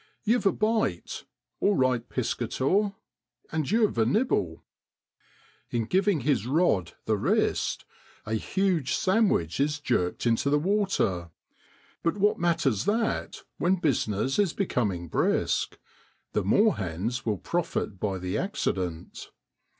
4 You've a bite !'* All right, Piscator. And you've a nibble.' In giving his rod the wrist, a huge sandwich is jerked into the water; but what matters that when business is becoming brisk ? The moorhens will profit by the accident.